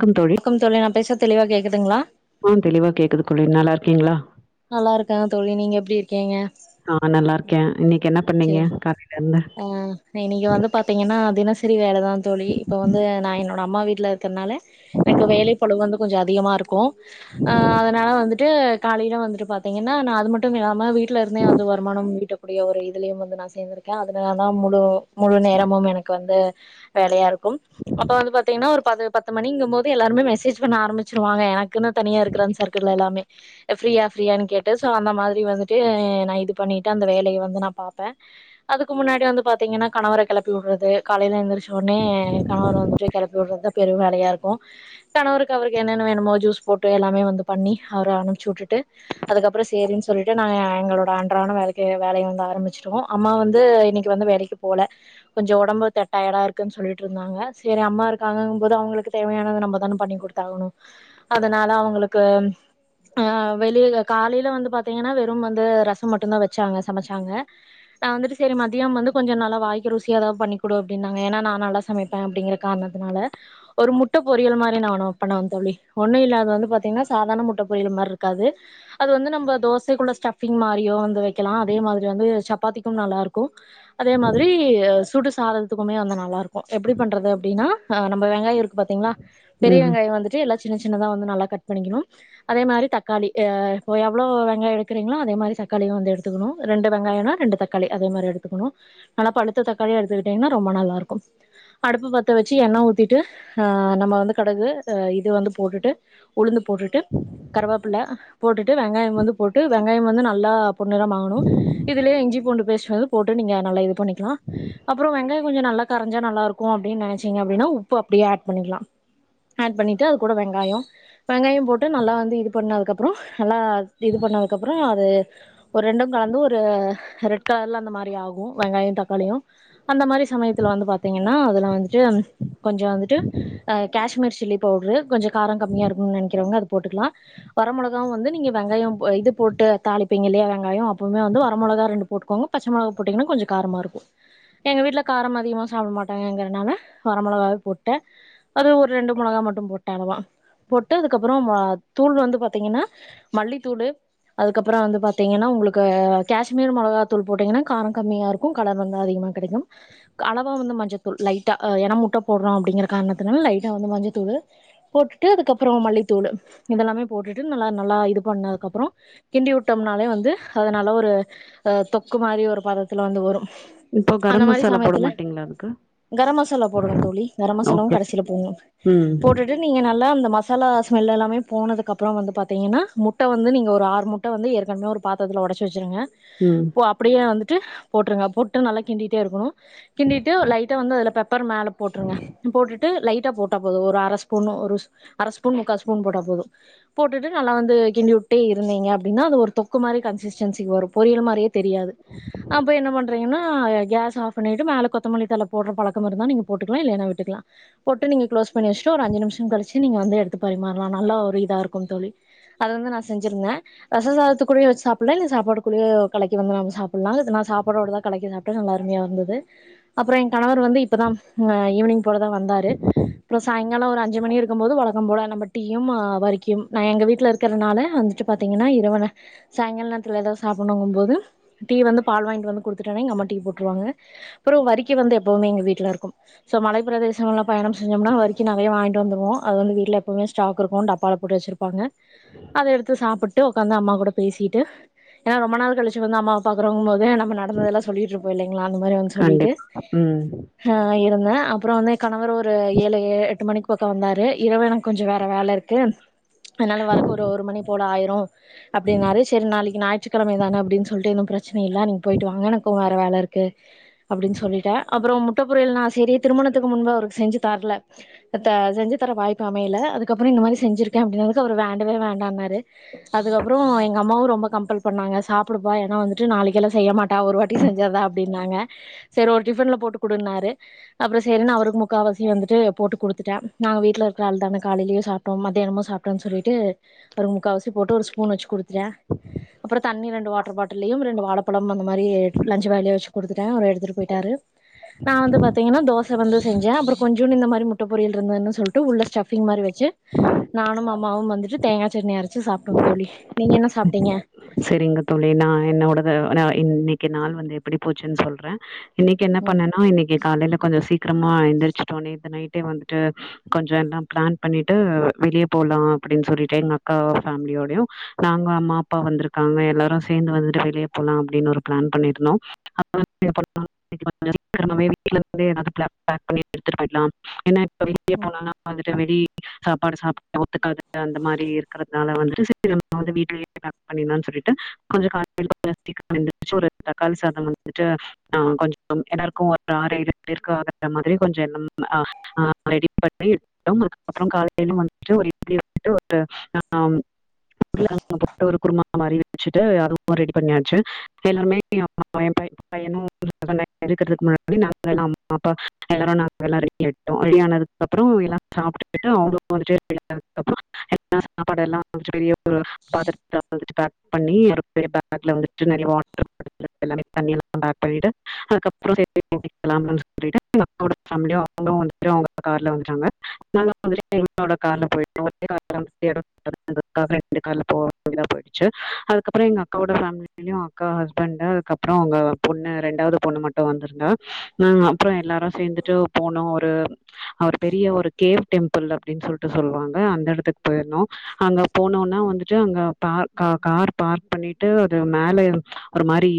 க்கம் தோழி கம் தோழி நா பேசற்து தெளிவா கேக்குதுங்களா ஆ தெளிவா கேக்குதுக்குளி நல்லாருக்கீங்களா நல்லா இருக்க தோழி நீங்க எப்டி இருக்கீங்க ஆ நல்லாருக்கே இன்னைக்கி என்ன சேரி பண்ணீங்க [unintelligible] ஆ நா இன்னைக்கி வந்து தினசரி வேலதா தோழி இப்ப வந்து நா என்னோட அம்மா வீட்ல இருக்கற்னால எனக்கு வேலை பழுவு வந்து கொஞ்ச அதிகமா இருக்கு அ அதனால வந்துட்டு காலையில வந்துட்டு பாத்தீங்கன்னா நா அது மட்டும் இல்லாம வீட்ல இருந்தே வந்து வருமானம் ஈட்டக்கூடிய ஒரு இதுலையு வந்து நா சேந்துரு கே அதனால தா முழு முழு நேரமும் எனக்கு வந்து வேலையா இருக் கும் அப்ப வந்து பாத்தீங்னா ஒரு பது பத் து மணிங்கும் போது எல்லாருமே மெசேஜ் பண்ண ஆரம்பிச்சிருவாங்க எனக்குன்னு தனியா இருக்கற அந்த சர்க்கிள் எல்லாமே ஃப்ரீயா ஃப்ரீயான்னு கேட்டு சோ அந்த மாதிரி வந்துட்டு நா இது பண்ணிட்டு அந்த வேலய வந்து நா பாப்ப அதுக்கு முன்னாடி வந்து பாத்தீங்கன்னா கணவர கெளப்பி வுட்றது காலையில எந்திரச்சி ஒனே கணவர வந்துட்டு கெளப்பி விட்றது பெரும் வேலயா இருக்கு கணவருக்கு அவருக்கு என்னென்ன வேணுமோ ஜூஸ் போட்டு எல்லாமே வந்து பண்ணி அவர அனுப்பிச்சு வுட்டுட்டு அதுக்கப்புற சேரின்னு சொல்லிட்டு நாங்க எங்களோட அன்றான வேலைக்கே வேலைய வந்து ஆரம்பிச்சிருவோ அம்மா வந் து இன்னைக்கி வந்து வேலைக்கு போல கொஞ்ச ஒடம்பு தட் டயாட இருக்குன்னு சொல்லிட்டு இருந்தாங்க செரி அம்மா இருக்காங்கும் போது அவங்களுக்கு தேவையானது நம்ம தான பண்ணி குடுக் தாகணு அதனால அவங்களுக்கு ஆ வெளில காலையில வந்து பாத்தீங்கனா வெறும் வந்து ரசம் மட்டுந்தா வச் வெச்சாங்க சமைச்சாங்க நா வந்துட்டு செரி மதியம் மட் வந்து கொஞ்ச நல்லா வாய்க்கு ருசியா எதாவது பண்ணி குடு அப்டினாங் ஏன்ன நா நல்லா சமைப்பே அப்டிங்கிற காரணத்தனால ஒரு முட்ட பொியல் மாரி நானு பண்ணுவ தோழி ஒண்ணு இல்லா அது வந்து பாத்தீங்னா சாதாரண முட்ட பொறியல் மாரி இருக்காது அது வந்து நம்ப தோசைக்குள்ள ஸ்டபிங் மாரியூ வந்து வெக்கலா அதே மாரி வந்து சப்பாத்திக்கு நல்லாருக்கு கு அதே மாதிரி சுடு சாதத்துக்குமே வந்து நல்லாயிருக்கு எப்டி பண்ணுறது அப்டின்னா நம்ம வெங்காய இருக்கு பாத்தீங்களா பெரிய ம். வெங்காயம் வந்துட்டு எல்லா சின்ன சின்னதா வந்து நல்லா கட் பண்ணிக்கணும் அதே மாரி தக்காளி ஆ இப்போ எவ்வளோ வெங்காயோ எடுக்கறீங்களோ அதே மாரி தக்காளியு வந்து எடுத்துக்குணு ரெண்டு வெங்காயனா ரெண்டு தக்காளி அதே மாரி எடுத்துக்கணு நல்லா பழுத்த தக்காளியா எடுத்துக்கிட்டீங்கனா ரொம்ப நல்லா இருக்கு அடுப்பு பத்த வச்சி எண்ண ஊத்திட்டு அஹ் நம்ம வந்து கடுகு அ இது வந்து போட்டுட்டு உளுந்து போட்டுட்டு கருவேப்புள்ள போட்டுட்டு வெங்காயம் வந்து போட்டு வெங்காயம் வந்து நல்லா பொண்ணிறமாகுனு இதுலேயு இஞ்சி பூண்டு பேஸ்ட் வந்து போட்டு நீங்க நல்லா இது பண்ணிக்கலா அப்புறம் வெங்காய கொஞ்ச நல்லா கரஞ்சா நல்லா இருக்கு அப்டினு நெனைச்சீங்க அப்டின உப்பு அப்டியே யேட் பண்ணிக்கலா ஆட் பண்ணிட்டு அது கூட வெங்காயோ வெங்காயம் போட்டு நல்லா வந்து இது பண்ணதுக்கப்புற நல்லா இது பண்ணதுக்கப்புற அது ஒரு ரெண்ம் கலந்து ஒரு ரெட் கலர்ல அந்த மாதிரி ஆகு வெங்காயோ தக்காளியு அந்த மாதிரி சமயத்துல வந்து பாத்தீங்கன்னா அதுல வந்துட்டு கொஞ்ச வந்துட்டு அ காஷ்மீர் சில்லி பவுடரு கொஞ்ச காரோ கம்மியா இருக்கும்னு நினைக்கிறவங்க அது போட்டுக்கலா வர மிளகாவும் வந்து நீங்க வெங்காயம் இது போட்டு தாளிப்பீங்க இல்லையா வெங்காயோ அப்பமே வந்து வர மொளகா ரெண்டு போட்டுக்கோங்க பச்சை மொளகா போட்டீங்கன்னா கொஞ்சோ காரமா இருக்கு எங்க வீட்டுல காரம் அதிகமா சாப்பிட மாட்டாங்கிறதுனால வரமளகாவே போட்டேன் அது ஒரு ரெண்டு மொளகா மட்டும் போட்டே அளவா போட்டு அதுக்கப்புறம் மொளகா தூள் வந்து பாத்தீங்கன்னா மல்லித்தூளு அதுக்கப்புறம் வந்து பாத்தீங்கன்னா உங்களுக்கு காஷ்மீர் மொளகா தூள் போட்டீங்கன்னா காரம் கம்மியா இருக்கும் கலர் வந்து அதிகமா கிடைக்கும் அளவா வந்து மஞ்சத்தூள் லைட்டாக ஏன்னா முட்டை போடுறோம் அப்படிங்கிற காரணத்தினால லைட்டாக வந்து மஞ்சத்தூளு போட்டுட்டு அதுக்கப்புறம் மல்லித்தூளு இதெல்லாமே போட்டுட்டு நல்லா நல்லா இது பண்ணதுக்கப்புறம் கிண்டி விட்டம்னாலே வந்து அது நல்லா ஒரு அஹ் தொக்கு மாரி ஒரு பதத்துல வந்து வரும் இப்போ அந்த கரம் மாதிரி மசாலா போட சமயத்துல மாட்டீங்களா அதுக்கு கரம் மசாலா போடுவோ தோழி கரம் மசாலவும் ஓகே. கடைசில ம். போட்டு டு நீங்க நல்லா அந்த மசாலா ஸ்மெல் எல்லாமே போனதுக்கு அப்புறம் வந்து பாத்தீங்கன்னா முட்ட வந்து நீங்க ஒரு ஆறு முட்ட ட்ட வந்து ஏற்கனவே ஒரு பாத்ரதத்துல உடைச்சு வச்சிருங்க ம் போ அப்டியே வந்துட்டு போட்டருங்க போட்டு நல்லா கிண்டிட்டே இருக்கணும் கிண்டிட்டு லைட்டா வந்து அதுல பெப்பர் மேலே போட்டுருங்க போட்டுட்டு லைட்டா போட்டா போதும் ஒரு அரை ஸ்பூன் ஒரு அரை ஸ்பூன் முக்கால் ஸ்பூன் போட்டா போதும் போட்டுட்டு நல்லா வந்து கிண்டி விட்டே இருந்தீங்க அப்டின்னா அது ஒரு தொக்கு மாரி கன்சிஸ்டன்சிக்கு வரும் பொரியல் மாரி தெரியாது அப்போ என்ன பண்றீங்கன்னா கேஸ் ஆஃப் பண்ணிட்டு மேலே கொத்தமல்லி தலை போடுற பழக்கம் இருந்தா நீங்க போட்டுக்கலாம் இல்லைன்னா விட்டுக்கலாம் போட்டு நீங்க குளோஸ் பண்ணி வச்சுட்டு ஒரு அஞ்சுநிமிஷம் களிச்சு நீங்க வந்து எடுத்து பரிமாறலாம் நல்ல ஒரு இதா இருக்கும் தோழி அத வந்து நான் செஞ்சிருந்தேன் ரச சாதத்துக்குள்ளைய வச்ச சாப்டலாம் இல்ல சாப்பாடு கூள்ளயே கலக்கி வந்து நம சாப்பிடலாம் இது ந சாப்போட தான் கலக்கி சாப்பிட்டே நல்ல அருமைய இருந்தது அப்புறம் என் கணவர் வந்து இப்பதான் ஹம் ஈவ்னிங் போலதான் வந்தாரு அப்புறம் சாயங்காலம் ஒரு அஞ்சு மணி இருக்கும்போது வழக்கம் போல நம்ம டீயும் வர்கியும் நான் எங்க வீட்டில இருக்கிறனால வந்துட்டு பாத்தீங்கன்னா இரவன சாயங்கால நேத்தில ஏதாவது சாப்பிடங்கும் போது டீ வந்து பால் வாங்கிட்டு வந்து குடுத்திட்டேனா எங்க அம்மா டீ போட்ருவாங்க அப்புறம் வர்கி வந்து எப்பவுமே எங்க வீட்டுல இருக்கும் சோ மலை பிரதசங்கள்ல பயணம் செஞ்சோம்னா வர்கி நறைய வாங்கிட்டு டு வந்துருவோம் அது வந்து வீட்டுல எப்பமே ஸ்டாக் இருக்கும் டப்பால போட்டு வச்சிருப்பாங்க அதை எடுத்து சாப்பிட் டு உட்காந்து அம்மா கூட பேசிட்டு ரொம்ப நாள் கழிச்சி வந்து அம்மாவ பாக்குறோங்கு போதே நம்ம நடந்ததெல்லாம் சொல்லிட்டு இரும் போ இல்லங்களா அந்த மாரி வந்து சொல்லிட்டு கண்டிப்பா. ம். ஹ இருந்தேன் அப்புறம் வந்து கணவர் ஒரு ஏழு எட்டு மணிக்கு பக்கம் வந்தாரு இரவு எனக்கு கொஞ்சம் வேற வேலை இருக்கு அதனால வரக்கு ஒரு ஒரு மணி போல ஆயிரும் அப்டினாரு சரி நாளைக்கு ஞாயிற்றுக்கிழமை தான அப்படின்னு சொ பிரச்சனை இல்ல நீங்க போயிட்டு வாங்க எனக்கும் வேற வேலை இருக்கு அப்படின்னு சொல்லிட்டே அப்புறம் முட்டப் பொரியல் நான் சரி திருமணத்துக்கு முன்பு அவருக்கு செஞ்சு தரல செஞ்சி தர வாய்ப்பு அமயல அதுக்கப்புறம் இந்த மாரி செஞ்சிருக்கே அப்படினதுக்கு அவர் வேண்டவே வேண்டான்னாரு அதுக்கப்றோ எங்க அம்மாவு ரொம்ப கம்பல் பண்ணாங்க சா [unintelligible] ஏனா வந்ட்டு நாளைக்கெலா செய்யமாட்டா ஒரு வாட்டி செஞ்சதுதா அப்டின்னாங்க சேரி ஒரு டிஃபன்ல போட்டு குடுனாரு அப்றோ சேரின் அவருக் முக்காவாசியு வந்துட்டு போட்டு குடுத்ட்டே நாங்க வீட்ல இருக்கற தான காலைலயு சாப்ட்டு மதியானமு சாப்டுவானு சொல்லிட்டு ஒரு முக்காவசி போட்டு ஒருஸ்பூன் வச்சு குடுத் ஏ அப்றோ தண்ணி ரெண்டு லியும் ரெண்டு வாழைப்பழம் அந்த மாரி லன்சு வேலைய வெச்சு குத்துட்டன் அவர் எடுத்துட் போயிட்டாரு நான் வந்து பாத்தீங்கன்னா தோச வந்து செஞ்சே அப்றோ கொஞ்சம்ன்னு இந்த மாதி முட்ட பொரியல் இருந்ததுன்னு சொல்லிட்டு டு உள்ள ஸ்டஃபிங் மாரி வச்சு நானும் அம்மாவும் வந்துட்டு தேங்கா சட்னி அரைச் சு சாப்டோம் தோழி நீங்க என்ன சாப்டீங்க சரிங்க தோழி நான் என்னோடது நா இன்னைக்கு நாள் வந்து எப்படி போச்சுன்னு சொல்றேன் இன்னைக்கு என்ன ம் பண்ணனா இன்னைக்கு காலையில கொஞ்சம் சீக்கிரமா எந்திருச்சுட்டோம் நேத்து நைட்டே வந்துட்டு கொஞ்சம் எல்லாம் பிளான் பண்ணிட்டு வெளியே போலாம் அப்படின்னு சொல்லிட்டு எங்க அக்கா ஃபேமிலியோடையும் நாங்க அம்மா அப்பா வந்துருக்காங்க எல்லாரு சேந்து வந்ட்டு வெளியே போலா அப்டின் ஒரு ப்ளான் பண்ணிருந்தோ அப்ப [inaudible] திரும்ப வீட்லருந்தே எல்லா பேக் பண்ணி எடுத்துட்டு போய்டலா ஏனா இப்ப வெளிய ம் போனனா வந்து வெளி சாப்பாடு சாப்புட்டா ஒத்துக்காது அந்த மாரி இருக்கறதுனால வந்துட்டு சரி நம்ம வந்து வீட்லயே பண்ணிர்லா சொல்லிட்டு கொஞ்சம் கால் [inaudible] ஒரு தக்காளி சாதம் வந்துட்டு ஆ கொஞ்சம் எல்லாருக்கு ஒரு ஆறு ஏழு பேருக்கு வர்ற மாதிரி கொஞ்ச எல்லாஹ் ஹ் ரெடி பண்ணி அதுக்கப்றோ காலைல வந்துட்டு ஒரு இட்லி வந்துட்டு ஒரு ஆ அந்த மாரி வெச்சிட்டு அதுவு ரெடி பண்யாச்சு எல்லாருமே எ பைய்யனு இருக்கிறதுக் முன்னாடி நா அப்றோ எல்லாரு நாங்கெல்லா ரெடி ஆயிட்டோ ரெடி ஆனதுக் அப்றோ எல்லா சாப்ட்டுட்டு அவ்ளோ முடிஞ்சதுக்கப்றோ எல்லா சாப்பாடு எல்லா கொஞ்சோ பெரிய ப பாத்ரத் ரத்துல பேக் பண்ணி ஒரு பெரிய பேக்ல வந்துட்டு நெரய வாட்டர் தண்ணியெல்லா பேக் பண்ணிட்டு அதுக்கப்றோ சேந்து [unintelligible] சொல்லிட்டு அக்காவோட பேமிலியு அவுங்ளு வந்துட்டு அவுங்க கார்ல வந்துட்டாங்க நாங்க பேமிலியு எங்ளோட கார்ல போயிட்டோ [unintelligible] போ வேண்டிதா போயிச்சு அதுக்கப்றோ எங்கக்காவோட பேமிலி அக்கா ஹஸ்பண்ட் அதுக்கப்றோ அவுங்க பொண்ணு ரெண்டாவது பொண்ணு மட்டு வந்திருந்தா நா அப்றோ எல்லாரு சேந்துட்டு போனோ ஒரு அவர் பெரிய ஒரு கேவ் டெம்பிள் அப்டின் சொல்லிட்டு சொல்வாங்க அந்த இடத்துக்கு போயிருந்தோ அங்க போனோனே வந்துட்டு அங்க பா கார் பார்க் பண்ணிட்டு அது மேல ஒரு மாரி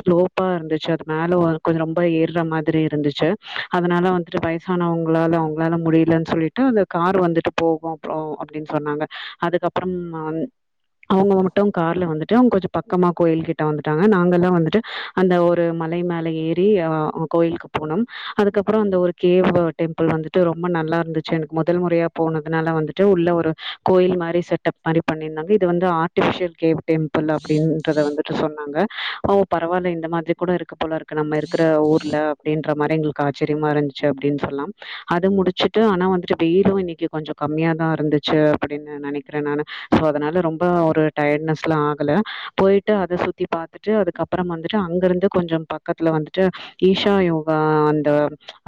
ஸ்லோப்பா இருந்துச்சு அது மேல கொஞ்ச ரொம்ப ஏர்ற மாதிரி இருந்துச்சு அதனால வந்துட்டு வயசானவங்ளால அவுங்ளால முடியலன் சொல்லிட்டு அந்த கார் வந்துட்டு போகும் போகு அப்டின் சொன்னாங்க அதுக்கப்றோ நா அவுங்க மட்டு கார்ல வந்துட்டு அவங் கொஞ்ச பக்கமா கோயில் கிட்ட வந்துட்டாங்க நாங்கல்லா வந்துட்டு அந்த ஒரு மலை மேல ஏறி அ கோயிலுக்கு போனோம் அதுக்கப்றோ அந்த ஒரு கேவ் டெம்பிள் வந்துட்டு ரொம்ப நல்லா இருந்துச்சு முதல் முறையா போனதுனால வந்துட்டு உள்ள ஒரு கோயில் மாரி செட்அப் மாரி பண்ணிருந்தாங்க இது வந்து ஆர்டிபிசியல் கேவ் டெம்பிள் அப்டின்றத வந்துட்டு சொன்னாங்க பரவாயில்ல இந்த மாதிரி கூட இருக்கு போல இருக்கு நம்ம இருக்கிற ஊர்ல அப்டின் ற மாரி எங்ளுக்கு ஆச்சிரியமா இருந்துச்சு அப்டின் சொல்லா அது முடிச்சுட்டு ஆனா வந்ட்டு வெயிலு இன்னைக்கு கொஞ்ச கம்மியாதா இருந்துச்சு அப்டின் நெனைக்றே நானு சோ அதனால ரொம்ப ஒரு டயட்னஸ்லா ஆகல போயிட்டு அத சுத்தி பாத்துட்டு அதுக்கப்புறம் வந்துட்டு அங்க இருந்து கொஞ்சம் பக்கத்துல வந்துட்டு ஈஷா யோகா அந்த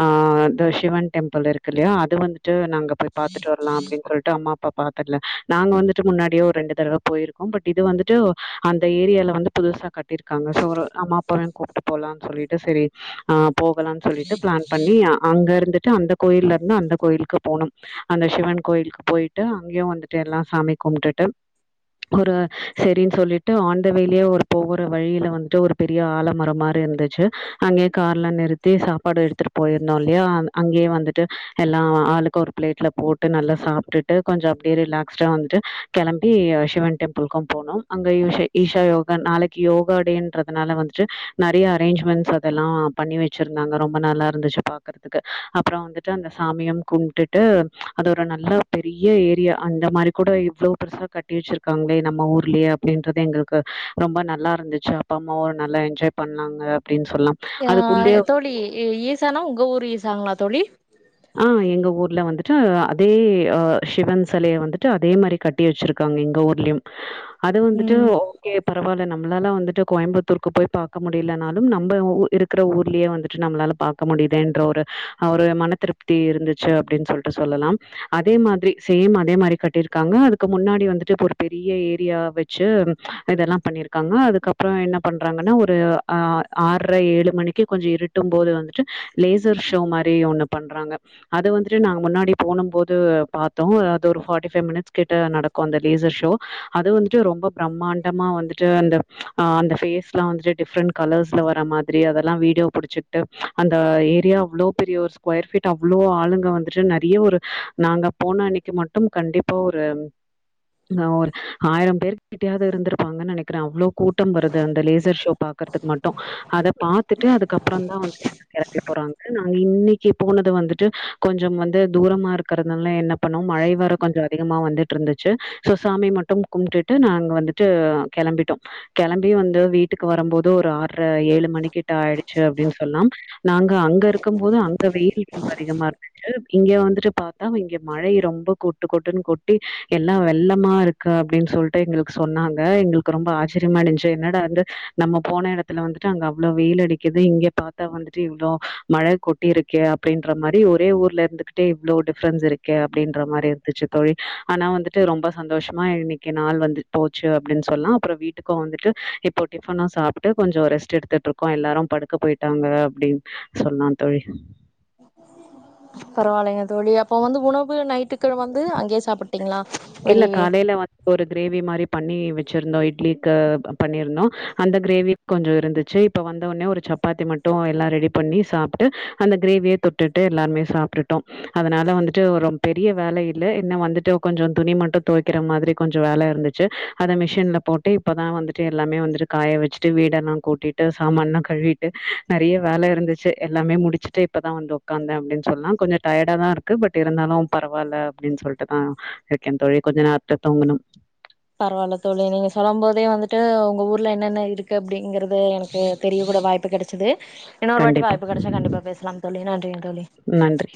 ஆ அந்த சிவன் டெம்பிள் இருக்கு இல்லையா அது வந்ட்டு நாங்க பாத்துட்டு வர்லா அப்டின் சொல்லிட்டு அம்மா அப்பா பாத்ததுல நாங்க வந்துட்டு முன்னாடியே ஒரு ரெண்டு தடவ போயிருக்கோ பட் இது வந்துட்டு அந்த ஏரியால வந்து புதுசா கட்டிருக்காங்க [unintelligible] அம்மா அப்பாவயு கூப்ட்டு போலான்னு சொல்லிட்டு சரி ஆ போகலான்னு சொல்லிட்டு பிளான் பண்ணி அ அங்க இருந்துட்டு அந்த கோயில்ல இருந்து அந்த கோயிலுக்கு போணோம் அந்த சிவன் கோயிலுக்கு போயிட்டு அங்கயு வந்துட்டு எல்லா சாமி கும்ட்டுட்டு ஒரு சரின்னு சொல்லிட்டு ஆன் த வே லயே ஒரு போகிற வழியில வந்துட்டு ஒரு பெரிய ஆலமரோ மாரி இருந்துச்சு அங்கயே கார்லா நிறுத்தி சாப்பாடு எடுத்துட்டு போயிருந்தோ இல்லையா அங் அங்கயே வந்துட்டு எல்லா ஆளுக்கு ஒரு பிளேட்ல போட்டு நல்லா சாப்ட்டுட்டு கொஞ்ச அப்டியே ரிலாக்ஸ்டா வந்துட்டு கெளம் பி சிவன் டெம்பிளுக்கு போனோ அங்க ஈஷா ஈஷா யோகா நாளைக் கி யோகா டேன்றதுனால வந்துட்டு நெறைய அரேஞ்ச்மெண்ட்ஸ் அதெல்லா பண்ணி வச்சிருந்தாங்க ரொம்ப நல்லா இருந்துச்சு பா இருக்கு அப்புறம் வந்துட்டு அந்த சாமிய கும்ட்டுட்டு அத ஒரு நல்ல பெரிய ஏரியா அந்த மாரி கூட இ்வ்ளோ பெர்சா கட்டி வெச்சிருக்காங்ளே நம்ம ஊர்லயே அப்டின்றது எங்ளுக்கு ரொம்ப நல்லா இருந்துச்சு அப்பா அம்மாவ ஒரு நல்லா என்ஜாய் பண்ணாங்க அப்டின்னு சொல்லாம் யா தோழி ஈ ஈசானா உங்க ஊரு ஈசாங்களா தோழி ஆ எங்க ஊர்ல வந்துட்டு அதே ஆ சிவன் செலைய வந்துட்டு அதே மாரி கட் ட்டி வச்சிருக்காங்க எங்க ஊர்லயும் அது வந்துட்டு ம் கே பரவால்ல நம்மளால வந்துட்டு கோயம்புத்தூருக்கு போய் பாக்க முடியலன்னாலு நம்ப உ ஊர் இரு க்கிற ஊர்லயே வந்துட்டு நம்மளால பாக்க முடியுதேன்ற ஒரு ஆ ஒரு மன திருப் ட்டி இருந்துச்சு அப்டின்னு சொல்ட்டு சொல்லலாம் அதே மாதிரி சேம் அதே மாரி கட்டிருக்காங்க அதுக்கு முன்னாடி வந்துட்டு இப்ப ஒரு பெரிய ஏரியா வச்சு இதெல்லா பண்ணிருக்காங்க அதுக்கப்றோ என்ன பண்றாங்கன்னா ஒரு ஆ ஆறர ஏழு மணிக்கி கொஞ்ச இருட்டும் போது வந்துட்டு லேசர் ஷோ மாரி ஒண்ணு பண்றாங்க அது வந்துட்டு நாங்க முன்னாடி போணும் போது பாத்தோ அது ஒரு ஃபாட்டி ஃபைவ் மினிட்ஸ் கிட்ட நட க்கு அந்த லேசர் ஷோ அது வந்துட்டு ரொம்ப பிரம்மாண்டமா வந்துட்டு அந்த ஆ அந்த ஃபேஸ்லா வந்துட்டு டிஃப்ரெண்ட் கலர்ஸ்ல வர்ற மாதிரி அதெல்லா வீடியோ புடிச்சிட்டு அந்த ஏரியா அவ்ளோ பெரிய ஒரு ஸ்கொயர் ஃபீட் டு அவ்ளோ ஆளுங்க வந்துட்டு நெறைய ஒரு நாங்க போன அன்னைக்கி மட்டும் கண்டிப்பா ஒரு ஆ ஒரு ஆயிரம் பேருக்கு கிட்டயாவது இருந்திருப்பாங்கன்னு நெனைக்கிறே அவ்ளோ கூட்டம் வருது அந்த லேசர் ஷோ பாக்குறதுக்கு மட்டு அத பாத்துட்டு அதுக்கப்புறந்தா வந்து எல்லாரு கெளம்பி போறாங்க நாங்க இன்னைக்கி போனது வந்துட்டு கொஞ்சம் வந்து தூரமா இருக்கிறதுனால என்ன பண்ணோ மழை வேற கொஞ்சோ அதிகமா வந்து ட்ருந்துச்சு சோ சாமி மட்டு கும்ட்டுட்டு நாங்க வந்துட்டு கெளம்பிட்டோ கெளம்பி வந்து வீட்டுக்கு வரும்போது ஒரு ஆறர ஏழு மணிக்கிட்ட ஆயிருச்சு அப்டின்னு சொல்லலாம் நாங்க அங்க இருக்கும் போது அங்க வெயில் ரொம்ப அதிகமா இருந்து து இங்க வந்துட்டு பாத்தா இங்க மழை ரொம்ப கொட்டு கொட்டுன்னு கொட்டி எல்லா வெள்ளமா இருக் கு அப்டின் சொல்ட்டு எங்களுக்கு சொன்னாங்க எங்களுக்கு ரொம்ப ஆச்சரியமா இருந்ச்சு என்னடா வந்து நம்ம போன எடத்துல வந்துட்டு அங்க அவ்ளோ வெயில் அடிக்குது இங்க பாத்தா வந்துட்டு இவ்ளோ மழ கொட் டிருக்கே அப்டின்ற மாரி ஒரே ஊர்ல இருந்துக்கிட்டே இவ்ளோ டிஃப்ரன்ஸ் இருக்கே அப்டின்ற மாரி இருந்துச்சு தோழி ஆனா வந்துட்டு ரொம்ப சந்தோஷமா இன்னைக்கி நாள் வந்து போச்சு அப்டின்னு சொல்லலா அப்புற வீட்டுக்கு வந்துட்டு இ ப்போ டிஃபனு சாப்ட்டு கொஞ்சோ ரெஸ்ட் எடுத்துட்ருக்கோ எல்லாரு படுக்க போயிட்டாங்க அப்டின்னு சொல்லாந் தோழி பரவால்லைங்க தோழி அப்போ வந்து உணவு நைட்டுக்கு வந்து அங்கயே சாப்புட்டீங்களா இல்ல காலைல வ ஒரு கிரேவி மாரி பண்ணி வெச்சிருந்தோ இட்லிக்கு அ பண்ணிருந்தோ அந்த கிரேவி கொஞ்சோ இருந்துச்சு இப்ப வந்தவுடனே ஒரு சப்பாத்தி மட்டு எல்லா ரெடி பண்ணி சாப்ட்டு அந்த கிரேவியே தொ ட்டுட்டு எல்லாருமே சாப்ட்டுட்டோ அதனால வந்துட்டு ஒரு ரொம் பெரிய வேல இல்ல என்ன வந்துட்டு கொஞ்சோ துணி மட்டு தொவைக்கிற மாதிரி கொஞ்சோ வேல இருந்துச்சு அத மிஷின்ல போட்டு இப்பதா வந்துட்டு எல்லாமே வந்துட்டு காய வச்சுட்டு வீடெல்லா கூட்டிட்டு சாமான்லா கழுவிட்டு நறையா வேல இருந்துச்சு எல்லாமே முடிச்சுட்டு இப்பதா வந்து உக்காந்தே அப்டின்னு சொல்லலா கொஞ்சோ டயடா தா இருக்கு பட் இருந்தாலு பரவாயில்ல அப்டின்னு சொல்லிட்டுதா இருக்கே தோழி கொஞ்ச நேர்த்த தூங்கணு பரவாயில்ல தோழி நீங்க சொல்லும் போதே வந்துட்டு உங்க ஊர்ல என்னென்ன இருக்கு அப்டிங்கறது எனக்கு தெரிய கூட வாய்பு கெடைச்சது இன்னாரு வாட்டி கண்டிப்பா வாய்பு கெடைச்சா கன்டிப்பா பேசலாம் தோழி நன்றிங் தோழி நன்றி